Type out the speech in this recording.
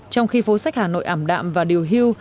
trong khi phố sách hà nội ảm đạm và điều hưu